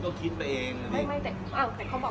เหมือนเหมือนทำเปรียกเหมือนกับว่า